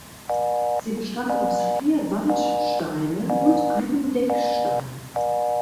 Sie bestand aus vier Wandsteinen und einem Deckstein.